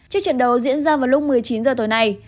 trước trận đấu diễn ra vào lúc một mươi chín h tối nay